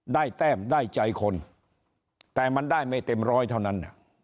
แต้มได้ใจคนแต่มันได้ไม่เต็มร้อยเท่านั้น